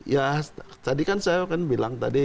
ya tadi kan saya kan bilang tadi